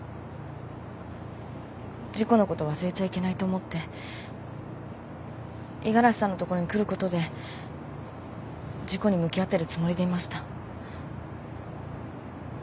事故のこと忘れちゃいけないと思って五十嵐さんのところに来ることで事故に向き合ってるつもりでいました。